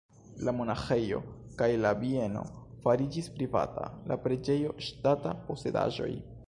La monaĥejo kaj la bieno fariĝis privata, la preĝejo ŝtata posedaĵoj.